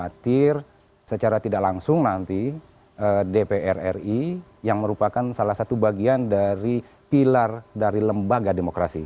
saya khawatir secara tidak langsung nanti dpr ri yang merupakan salah satu bagian dari pilar dari lembaga demokrasi